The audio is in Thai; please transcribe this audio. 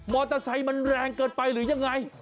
อเตอร์ไซค์มันแรงเกินไปหรือยังไง